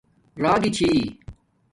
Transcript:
راگی چھی